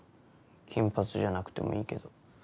金髪じゃなくてもいいけど。